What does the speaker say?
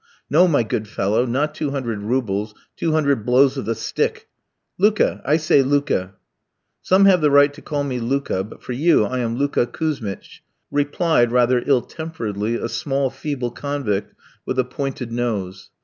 "No, my good fellow, not two hundred roubles, two hundred blows of the stick. Luka; I say Luka!" "Some have the right to call me Luka, but for you I am Luka Kouzmitch," replied rather ill temperedly a small, feeble convict with a pointed nose.